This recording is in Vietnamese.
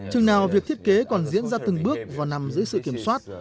chừng nào việc thiết kế còn diễn ra từng bước và nằm dưới sự kiểm soát